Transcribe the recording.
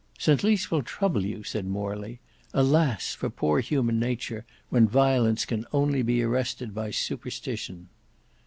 "St Lys will trouble you," said Morley. "Alas! for poor human nature, when violence can only be arrested by superstition."